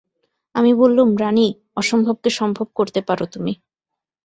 আমি বললুম, রানী, অসম্ভবকে সম্ভব করতে পার তুমি।